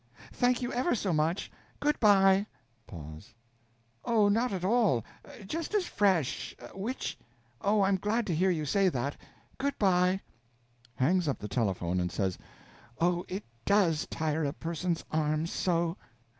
Thank you ever so much. good by. Pause. Oh, not at all! just as fresh which? Oh, I'm glad to hear you say that. Good by. (Hangs up the telephone and says, "Oh, it _does _tire a person's arm so!")